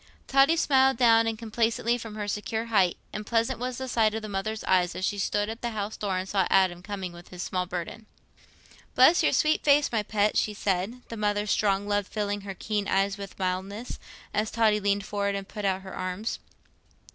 Totty smiled down complacently from her secure height, and pleasant was the sight to the mother's eyes, as she stood at the house door and saw Adam coming with his small burden. "Bless your sweet face, my pet," she said, the mother's strong love filling her keen eyes with mildness, as Totty leaned forward and put out her arms.